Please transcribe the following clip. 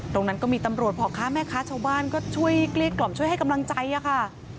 ตรงนั้นก็มีตำรวจพ่อค้าแม่ค้าชาวบ้านก็ช่วยเกลี้ยกล่อมช่วยให้กำลังใจค่ะ